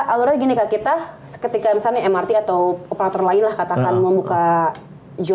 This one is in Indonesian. alurnya gini kak kita ketika mrt atau operator lain lah katakan mau buka pekerjaan